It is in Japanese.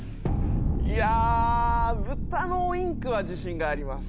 いやブタのオインクは自信があります。